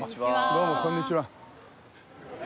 どうもこんにちは。